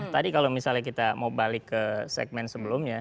tadi kalau misalnya kita mau balik ke segmen sebelumnya